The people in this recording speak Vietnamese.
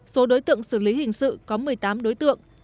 số đối tượng xử lý hình sự có một mươi tám đối tượng